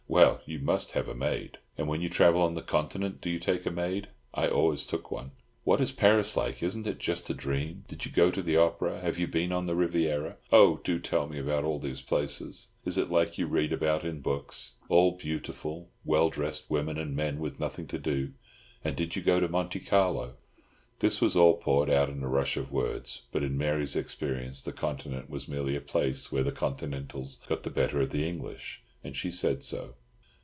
"Well, you must have a maid." "And when you travel on the Continent, do you take a maid?" "I always took one." "What is Paris like? Isn't it just a dream? Did you go to the opera?—Have you been on the Riviera?—Oh, do tell me about those places—is it like you read about in books?—all beautiful, well dressed women and men with nothing to do—and did you go to Monte Carlo?" This was all poured out in a rush of words; but in Mary's experience the Continent was merely a place where the Continentals got the better of the English, and she said so.